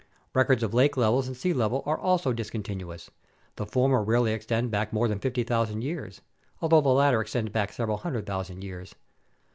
Records of lake levels and sea levels are also discontinuous. The former rarely APPENDIX A 141 extend back more than 50,000 years, although the latter extend back several hundred thousand years.